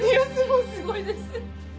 すごいです。